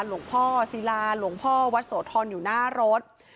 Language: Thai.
หลวงพ่อศิลาหลวงพ่อวัดโสธรอยู่หน้ารถ